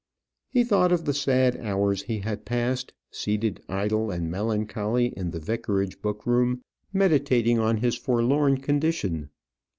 He thought of the sad hours he had passed, seated idle and melancholy in the vicarage book room, meditating on his forlorn condition.